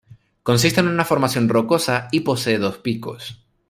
Consiste en una formación rocosa, y posee dos picos.